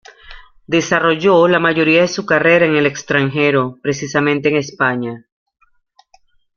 Desarrolló la mayoría de su carrera en el extranjero, precisamente en España.